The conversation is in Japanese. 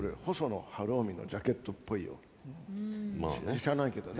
知らないけどね。